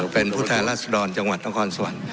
เป็นผู้แทนราชดรจังหวัดต้องคอนสวรรค์